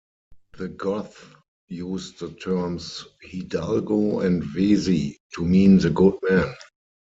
The Goths used the terms "hidalgo" and "Vesi" to mean the "good men".